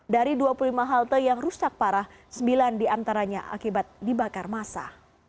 dari dua puluh lima halte yang rusak parah sembilan diantaranya akibat dibakar masa